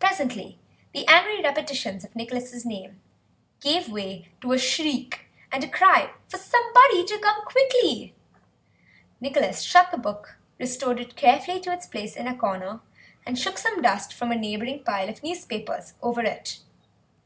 Presently the angry repetitions of Nicholas' name gave way to a shriek, and a cry for somebody to come quickly. Nicholas shut the book, restored it carefully to its place in a corner, and shook some dust from a neighbouring pile of newspapers over it.